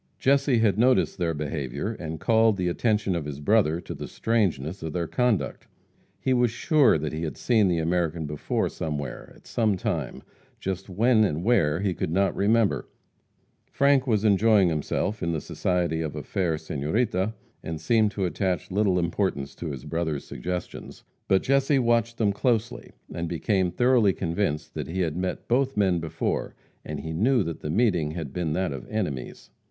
Jesse had noticed their behavior, and called the attention of his brother to the strangeness of their conduct. He was sure that he had seen the American before somewhere, at some time, just when and where he could not remember. Frank was enjoying himself in the society of a fair senorita, and seemed to attach little importance to his brother's suggestions. But Jesse watched them closely, and became thoroughly convinced that he had met both men before, and he knew that the meeting had been that of enemies.